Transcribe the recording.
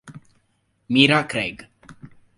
Mira Craig